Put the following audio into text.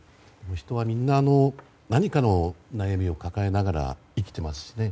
人はみんな何かの悩みを抱えながら生きていますしね。